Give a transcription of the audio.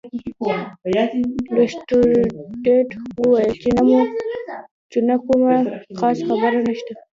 لیسټرډ وویل چې نه کومه خاصه خبره نشته.